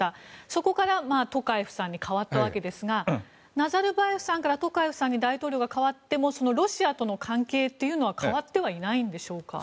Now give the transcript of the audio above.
そこからトカエフさんに代わったわけですがナザルバエフさんからトカエフさんに大統領が代わってもロシアとの関係というのは変わってはいないんでしょうか？